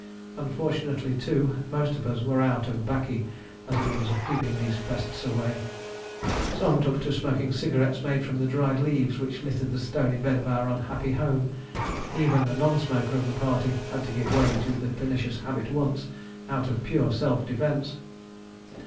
Unfortunately, too, most of us were out of 'baccy, as a means of keeping these pests away. Some took to smoking cigarettes made from the dried leaves which littered the stony bed of our unhappy home. Even the non smoker of the party had to give way to the pernicious habit once, out of pure self defence.